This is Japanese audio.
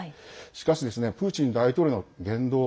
しかし、プーチン大統領の言動